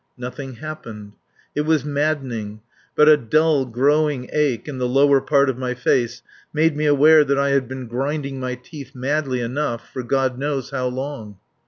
Nothing happened. It was maddening, but a dull, growing ache in the lower part of my face made me aware that I had been grinding my teeth madly enough, for God knows how long.